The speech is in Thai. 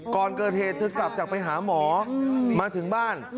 ก่อนเกิดเหตุเธอกลับจากไปหาหมอมาถึงบ้าน